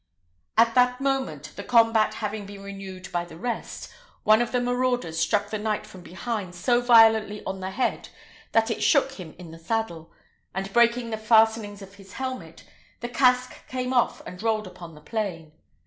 At that moment, the combat having been renewed by the rest, one of the marauders struck the knight from behind so violently on the head, that it shook him in the saddle, and breaking the fastenings of his helmet, the casque came off and rolled upon the plain.